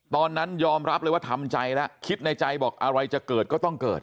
ตอนนั้นยอมรับเลยว่าทำใจแล้วคิดในใจบอกอะไรจะเกิดก็ต้องเกิด